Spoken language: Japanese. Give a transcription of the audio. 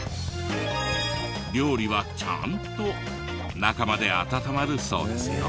料理はちゃんと中まで温まるそうですよ。